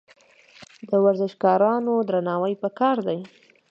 د ورزشکارانو درناوی پکار دی.